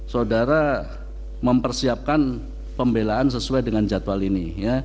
saudara mempersiapkan pembelaan sesuai dengan jadwal ini